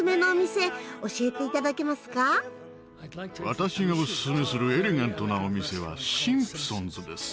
私がおススメするエレガントなお店はシンプソンズです。